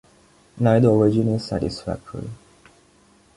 Neither origin is satisfactory.